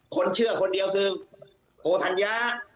คนเชื่อคนเดียวคือโอธัญญา